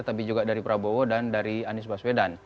tapi juga dari prabowo dan dari anies baswedan